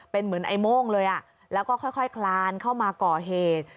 เป็นเหมือนไอ้โม่งเลยแล้วก็ค่อยคลานเข้ามาก่อเหตุ